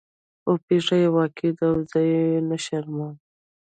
خو پېښه يې واقعي ده او زه یې نشروم.